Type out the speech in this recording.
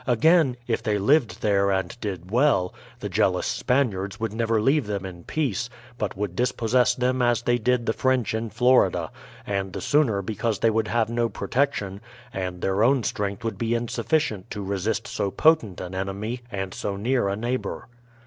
Again, if they lived there and did well, the jealous Spaniards would never leave them in peace, but would dispossess them as they did the French in Florida, — and the sooner because they would have no protection, and their own strength would be in suflEicient to resist so potent an enemy and so near a neigh bour.